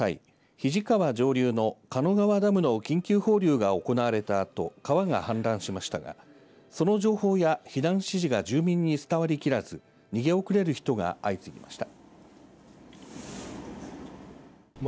肱川上流の鹿野川ダムの緊急放流が行われたあと川が氾濫しましたがその情報や避難指示が住民に伝わりきらず逃げ遅れる人が相次ぎました。